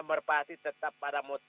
merpati tetap pada